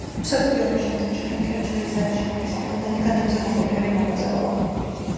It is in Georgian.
მეორე მსოფლიო ომის შემდეგ ჩხენკელი შვეიცარიაში გადასახლდა და იქ განაგრძო ნაყოფიერი მოღვაწეობა.